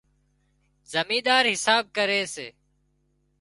زمينۮار حساب ڪري سي